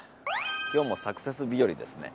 今日もサクセス日和ですね。